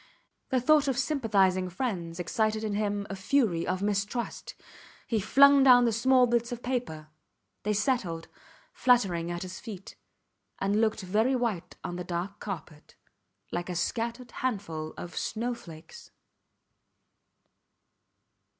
The thought of sympathizing friends excited in him a fury of mistrust. He flung down the small bits of paper. They settled, fluttering at his feet, and looked very white on the dark carpet, like a scattered handful of snow flakes.